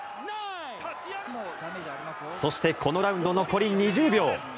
そして、このラウンド残り２０秒。